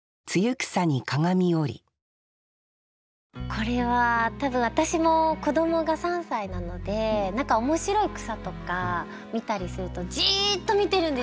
これは多分私も子どもが３歳なので何か面白い草とか見たりするとじっと見てるんですよ。